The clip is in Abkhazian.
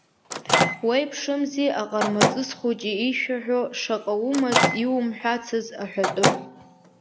Уеиԥшымзи аҟармаҵыс хәыҷ ишәаҳәо, шаҟа умаз иумҳәацыз аҳәатәы.